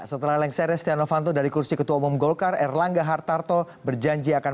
setelah lengseres tiano fanto dari kursi ketua umum golkar erlangga hartarto berjanji akan